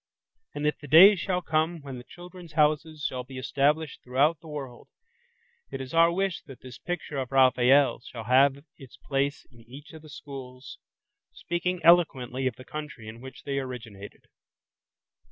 And if the day shall come when the "Children's Houses" shall be established throughout the world, it is our wish that this picture of Raphael's shall have its place in each of the schools, speaking eloquently of the country in which they originated.